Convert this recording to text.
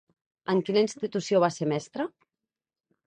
En quina institució va ser mestra?